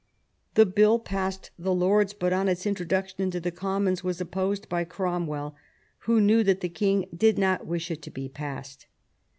The Bill passed the Lords, but on its introduction into the Commons was opposed by Cromwell, who knew that the king did not wish it to be passed.